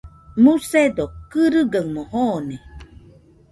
Musegɨ kɨrigamo jone.